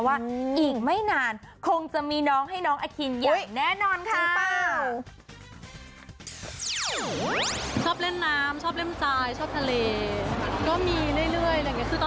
ให้เขาเข้าโรงเรียนก่อนอคิณก็เข้าโรงเรียนไปแล้ว